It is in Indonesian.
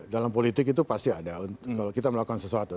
dalam politik itu pasti ada kalau kita melakukan sesuatu